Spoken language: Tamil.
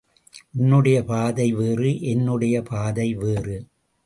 உன்னுடைய பாதை வேறு என்னுடைய பாதை வேறு!